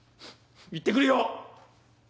行ってくるよ。